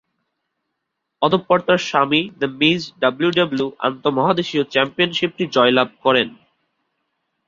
অতঃপর তার স্বামী দ্য মিজ ডাব্লিউডাব্লিউই আন্তঃমহাদেশীয় চ্যাম্পিয়নশিপটি জয়লাভ করেন।